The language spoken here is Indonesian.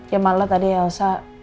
ya malah tadi elsa